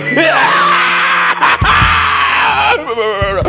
aduh sunatnya pake apa dok